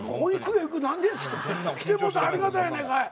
行くよ何でや来てもうたらありがたいやないかい。